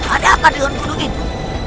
ada apa dengan gunung ini